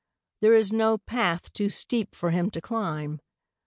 There is no path too steep for him to climb.